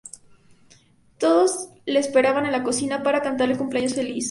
Todos le esperan en la cocina para cantarle el cumpleaños feliz.